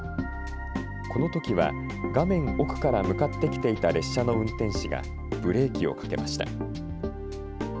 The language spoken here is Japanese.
このときは、画面奥から向かってきていた列車の運転士がブレーキをかけました。